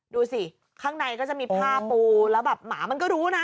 ดูสิข้างในก็จะมีผ้าปูแล้วแบบหมามันก็รู้นะ